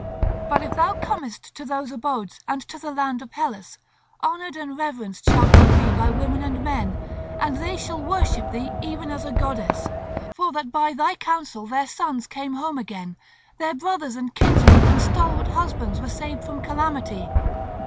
But if thou comest to those abodes and to the land of Hellas, honoured and reverenced shalt thou be by women and men; and they shall worship thee even as a goddess, for that by thy counsel their sons came home again, their brothers and kinsmen and stalwart husbands were saved from calamity.